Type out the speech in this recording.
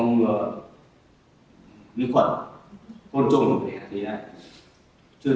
thì như thế có đủ điều kiện nữa không